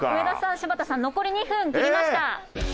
柴田さん残り２分切りました。